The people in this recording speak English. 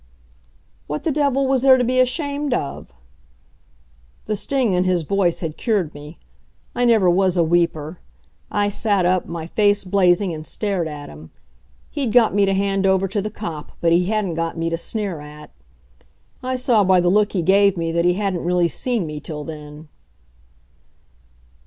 "What the devil was there to be ashamed of?" The sting in his voice had cured me. I never was a weeper. I sat up, my face blazing, and stared at him. He'd got me to hand over to the cop, but he hadn't got me to sneer at. I saw by the look he gave me, that he hadn't really seen me till then.